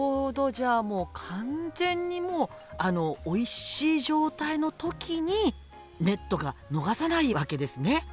じゃあもう完全にもうあのおいしい状態の時にネットが逃さないわけですね。